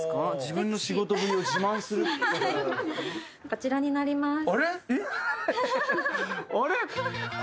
こちらになります。